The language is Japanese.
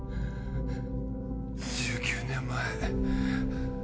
１９年前。